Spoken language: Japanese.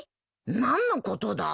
何のことだ？